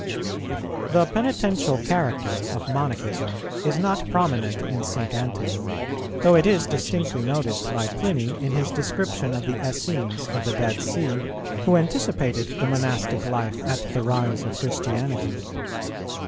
The penitential character of Monachism is not prominent in St. Antony, though it is distinctly noticed by Pliny in his description of the Essenes of the Dead Sea, who anticipated the monastic life at the rise of Christianity.